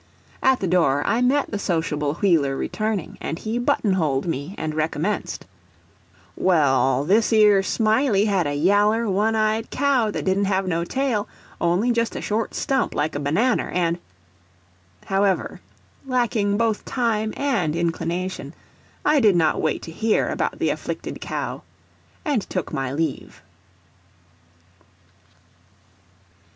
At the door I met the sociable Wheeler returning, and he buttonholed me and recommenced: "Well, thish yer Smiley had a yaller, one eyed cow that didn't have no tail, only jest a short stump like a bannanner, and——" However, lacking both time and inclination, I did not wait to hear about the afflicted cow, but took my leave.